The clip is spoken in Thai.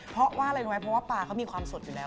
เพราะว่าอะไรรู้ไหมเพราะว่าปลาเขามีความสดอยู่แล้ว